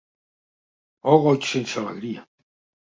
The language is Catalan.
Oh goig sense alegria!